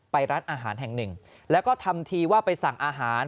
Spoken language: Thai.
ร้านอาหารแห่งหนึ่งแล้วก็ทำทีว่าไปสั่งอาหาร